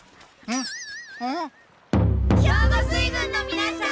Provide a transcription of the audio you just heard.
兵庫水軍のみなさん！